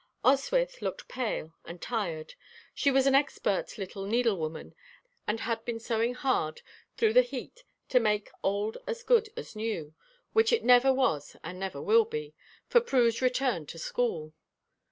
Oswyth looked pale and tired. She was an expert little needle woman and had been sewing hard through the heat to make old as good as new which it never was and never will be for Prue's return to school.